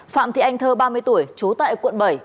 phạm thị anh thơ ba mươi tuổi trú tại quận bảy